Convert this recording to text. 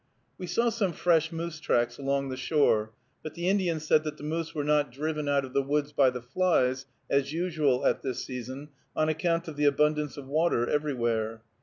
We saw some fresh moose tracks along the shore, but the Indian said that the moose were not driven out of the woods by the flies, as usual at this season, on account of the abundance of water everywhere.